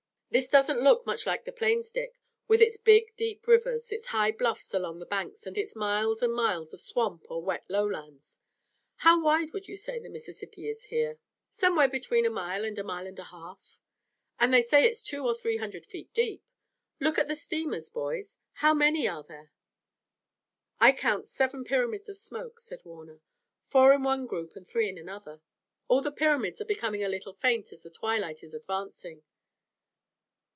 This doesn't look much like the plains, Dick, with its big, deep rivers, its high bluffs along the banks, and its miles and miles of swamp or wet lowlands. How wide would you say the Mississippi is here?" "Somewhere between a mile and a mile and a half." "And they say it's two or three hundred feet deep. Look at the steamers, boys. How many are there?" "I count seven pyramids of smoke," said Warner, "four in one group and three in another. All the pyramids are becoming a little faint as the twilight is advancing.